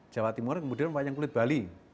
jawa timur kemudian wayang kulit bali